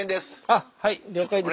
あっはい了解です。